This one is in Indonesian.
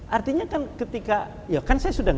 artinya kan ketika